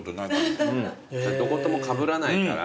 どこともかぶらないから。